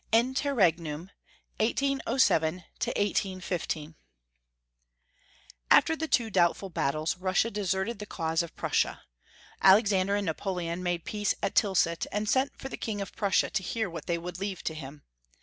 INTERREGNUM., 1807 1815. AFTER the two doubful battles, Russia desert ed the cause of Prussia. Alexander and Napoleon made peace at Tilsit, and sent for the King of Prussia to hear what they would leave to him.